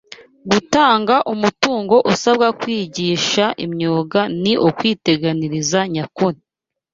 gutanga umutungo usabwa mu kwigisha imyuga ni ukwiteganiriza nyakuri